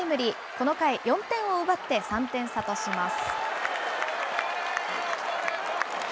この回、４点を奪って、３点差とします。